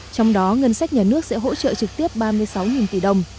trong đó ngân sách nhà nước sẽ hỗ trợ trực tiếp ba mươi sáu tỷ đồng